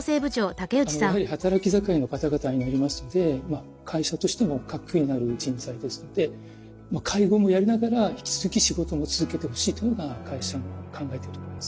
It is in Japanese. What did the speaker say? やはり働き盛りの方々になりますので会社としても核になる人材ですので介護もやりながら引き続き仕事も続けてほしいというのが会社の考えてるところです。